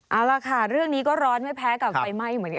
เอาล่ะค่ะเรื่องนี้ก็ร้อนไม่แพ้กับไฟไหม้เหมือนกัน